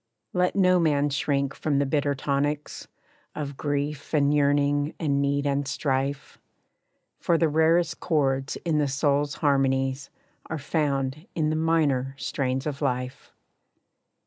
Let no man shrink from the bitter tonics Of grief, and yearning, and need, and strife, For the rarest chords in the soul's harmonies, Are found in the minor strains of life.